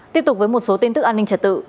tiếp tục với một số tin tức an ninh trật tự